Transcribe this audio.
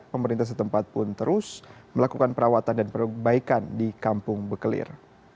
pemerintah setempat pun terus melakukan perawatan dan perbaikan di kampung bekelir